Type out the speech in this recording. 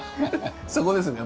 そこですね